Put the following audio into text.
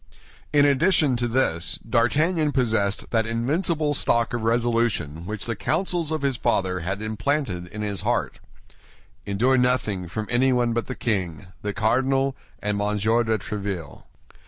In addition to this, D'Artagnan possessed that invincible stock of resolution which the counsels of his father had implanted in his heart: "Endure nothing from anyone but the king, the cardinal, and Monsieur de Tréville."